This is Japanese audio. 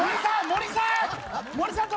森さーん！